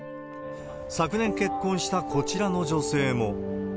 昨年結婚したこちらの女性も。